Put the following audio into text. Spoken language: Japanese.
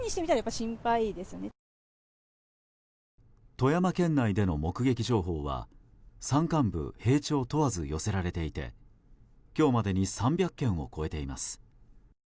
富山県内での目撃情報は山間部、平地を問わず寄せられていて今日までに３００件を超えています。